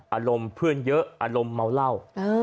อารมณ์เพื่อนเยอะอารมณ์เมาเหล้า